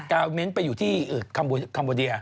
เมนต์ไปอยู่ที่คัมโบเดีย